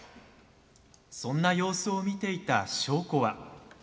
そんな様子を見ていた祥子は。